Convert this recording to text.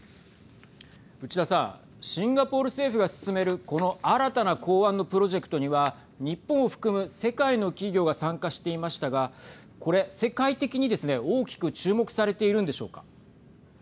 内田さんシンガポール政府が進めるこの新たな港湾のプロジェクトには日本を含む世界の企業が参加していましたがこれ、世界的にですね大きく注目されているんでしょうか。